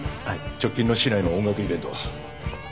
直近の市内の音楽イベントは？